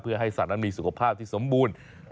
เพื่อให้สัตว์นั้นมีสุขภาพที่สมบูรณ์